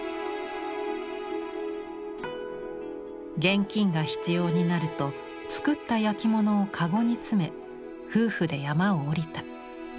現金が必要になると作った焼き物を籠に詰め夫婦で山を下りた。